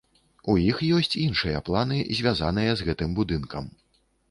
У іх ёсць іншыя планы, звязаныя з гэтым будынкам.